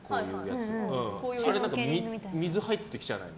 あれ水、入ってきちゃわないの？